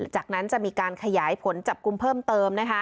จากนั้นจะมีการขยายผลจับกลุ่มเพิ่มเติม